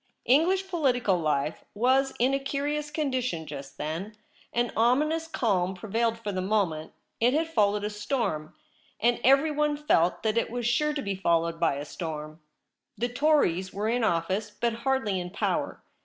English political life was in a curious con dition just then. An ominous calm prevailed for the moment ; it had followed a storm, and everyone felt that it was sure to be followed by a storm. The Tories were in office, but hardly in power.